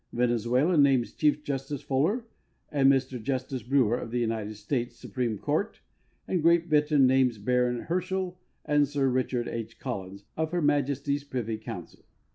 Venezuela names Chief Justice Fuller and Mr Justice Brewer, of the United States Su preme Court, and Great Britain names Baron Herschell and Sir Richard H, Collins, of Her Majesty's privy council.